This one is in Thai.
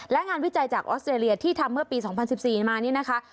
และงานวิจัยจากออสเตรเลียที่ทำเมื่อปี๒๐๑๔มานี่นะคะ